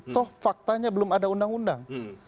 toh faktanya belum ada undang undang